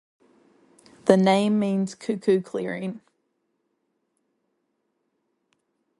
The name means 'cuckoo-clearing'.